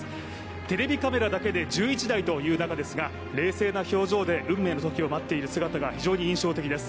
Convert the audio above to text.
テレビカメラだけで１１台という中ですが冷静な表情で運命の時を待っている姿が非常に印象的です。